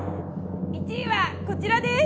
１位は、こちらです。